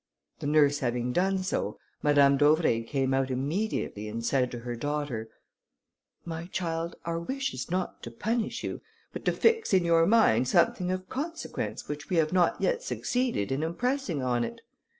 The nurse having done so, Madame d'Auvray came out immediately and said to her daughter, "My child, our wish is not to punish you, but to fix in your mind something of consequence which we have not yet succeeded in impressing on it.